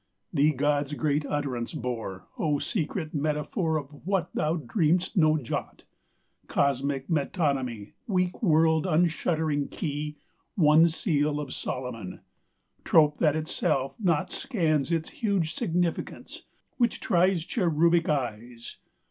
Thee God's great utterance bore, O secret metaphor Of what Thou dream'st no jot! Cosmic metonymy; Weak world unshuttering key; One Seal of Solomon! Trope that itself not scans Its huge significance, Which tries Cherubic eyes.